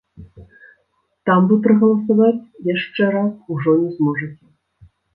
Там вы прагаласаваць яшчэ раз ужо не зможаце.